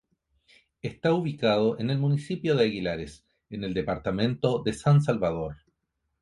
Está ubicado en el municipio de Aguilares en el departamento de San Salvador.